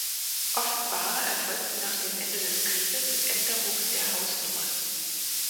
Offenbar erfolgten nach dem Ende des Krieges Änderungen der Hausnummern.